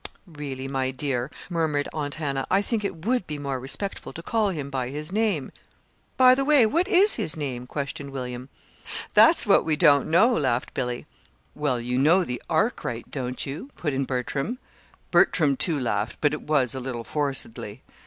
"Really, my dear," murmured Aunt Hannah, "I think it would be more respectful to call him by his name." "By the way, what is his name?" questioned William. "That's what we don't know," laughed Billy. "Well, you know the 'Arkwright,' don't you?" put in Bertram. Bertram, too, laughed, but it was a little forcedly.